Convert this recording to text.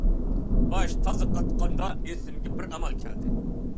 باش تازا قاتقاندا ئېسىگە بىر ئامال كەلدى.